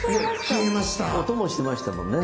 音もしてましたもんね。